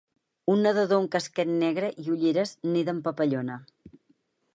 un nedador amb casquet negra i ulleres neda en papallona.